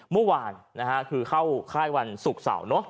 เมื่อวานนะฮะคือเข้าค่ายวันศุกร์เสาร์เนอะ